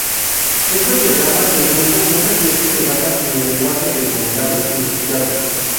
Estos diagramas de flujo muchas veces se basan en el lenguaje de modelado unificado.